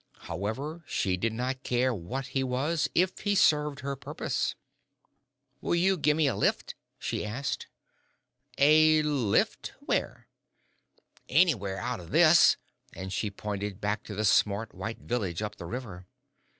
However, she did not care what he was if he served her purpose. "Will you gimme a lift?" she asked. "A lift where?" "Anywhere out o' this," and she pointed back to the smart, white village up the river.